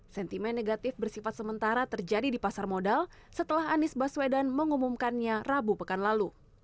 sentimen negatif bersifat sementara terjadi di pasar modal setelah anies baswedan mengumumkannya rabu pekan lalu